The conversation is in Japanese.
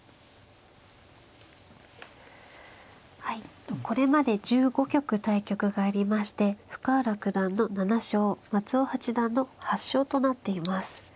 はいこれまで１５局対局がありまして深浦九段の７勝松尾八段の８勝となっています。